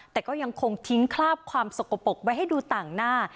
แต่ก็ยังคงทิ้งคราบความสกปรกไว้ให้ดูต่างหน้า